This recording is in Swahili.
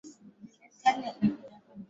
Ni mwanafunzi shupavu